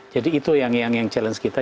jadi itu yang challenge kita